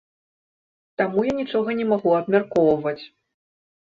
Таму я нічога не магу абмяркоўваць.